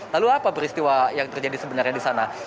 lalu apa peristiwa yang terjadi sebenarnya di sana